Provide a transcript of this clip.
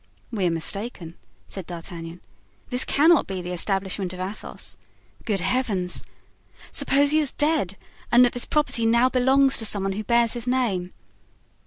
"We are mistaken," said D'Artagnan. "This cannot be the establishment of Athos. Good heavens! suppose he is dead and that this property now belongs to some one who bears his name.